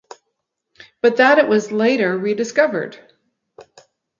But that it was later rediscovered.